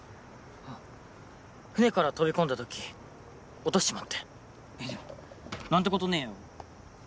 あっ船から飛び込んだ時落としちまってでもなんてことねぇよ